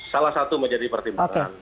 salah satu menjadi pertimbangan